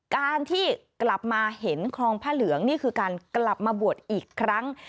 การที่กลับมาเห็นคลองผ้าเหลืองนี่คือการกลับมาบวชอีกครั้ง